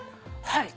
「はい」